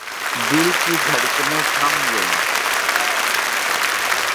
دل کی دھڑکنیں تھم گئیں۔